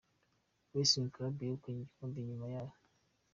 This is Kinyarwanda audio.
Racing Club yegukanye igikombe nyuma yo